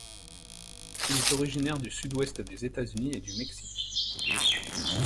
Il est originaire du sud-ouest des États-Unis et du Mexique.